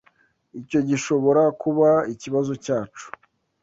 Icyo gishobora kuba ikibazo cyacu.